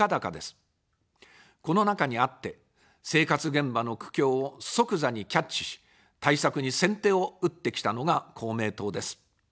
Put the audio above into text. この中にあって、生活現場の苦境を即座にキャッチし、対策に先手を打ってきたのが公明党です。